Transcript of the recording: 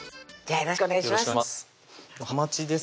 よろしくお願いします